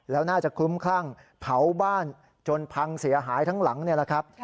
แล้วน่าจะคลุ้มคลั่งเผาบ้านจนพังเสียหายทั้งหลังนี่แหละครับ